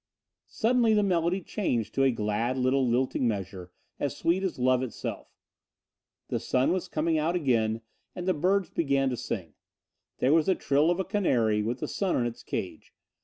Suddenly the melody changed to a glad little lilting measure, as sweet as love itself. The sun was coming out again and the birds began to sing. There was the trill of a canary with the sun on its cage.